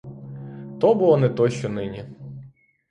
То було не то, що нині.